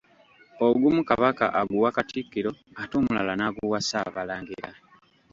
Ogumu Kabaka aguwa Katikkiro ate omulala n'aguwa Ssaabalangira.